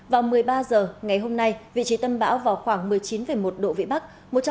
vào một mươi ba h ngày hôm nay vị trí tâm bão vào khoảng một mươi chín một độ vị bắc